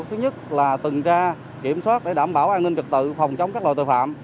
thứ nhất là tuần tra kiểm soát để đảm bảo an ninh trật tự phòng chống các loại tội phạm